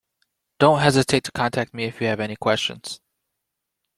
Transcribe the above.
Don't hesitate to contact me if you have any questions.